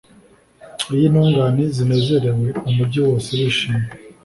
Iyo intungane zinezerewe umugi wose urishima